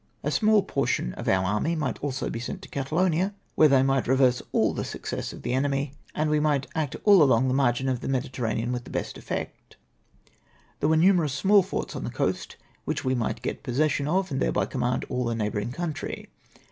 A small portion of our army might also be sent to Catalonia, where they might reverse all IXJUKIOUS CO^X•ESSIONS TO THE FREXCII. 255 the success of the enemy ; and we might act all along the margin of the Mediterranean with the best effect. There were numerous small forts on the coast which we might get possession of, and thereby command all the neighbouring country.